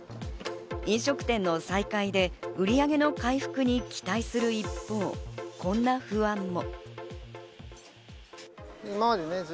飲食店の再開で売り上げの回復に期待する一方、こんな不安も。